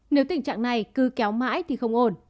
nếu tình trạng này cứ kéo mãi thì không ổn